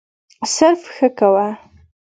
صرف «ښه» کوه.